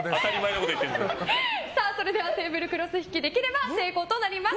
では、テーブルクロス引きできれば成功となります。